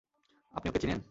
আপনি ওকে চিনেন?